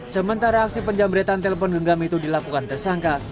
sementara aksi penjamretan telepon genggam itu dilakukan tersangka